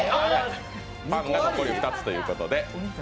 残り２つということで。